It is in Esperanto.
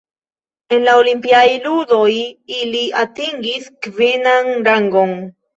En la Olimpiaj ludoj ili atingis kvinan rangon.